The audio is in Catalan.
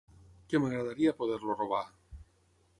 Que m'agradaria poder-lo robar!